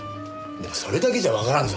でもそれだけじゃわからんぞ。